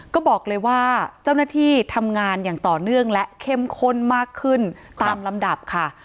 ก็บอกเลยว่าเจ้าหน้าที่ทำงานอย่างต่อเนื่องและเข้มข้นมากขึ้นตามลำดับค่ะ